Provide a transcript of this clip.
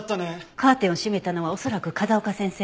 カーテンを閉めたのは恐らく風丘先生ね。